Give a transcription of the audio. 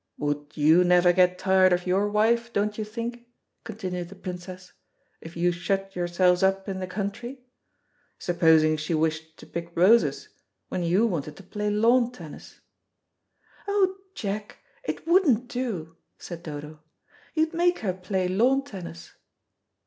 "Would you never get tired of your wife, don't you think," continued the Princess, "if you shut yourselves up in the country? Supposing she wished to pick roses when you wanted to play lawn tennis?" "Oh, Jack, it wouldn't do," said Dodo. "You'd make her play lawn tennis."